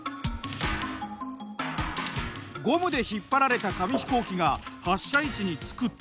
ゴムで引っ張られた紙飛行機が発射位置につくと。